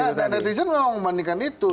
ya netizen mau membandingkan itu